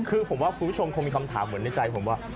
คือผมว่าคุณผู้ชมคงมีคำถามเหมือนในใจผมว่า